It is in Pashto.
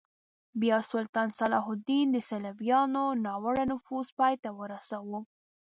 بیا سلطان صلاح الدین د صلیبیانو ناوړه نفوذ پای ته ورساوه.